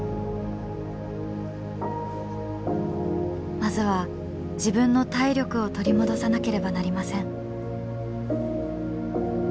まずは自分の体力を取り戻さなければなりません。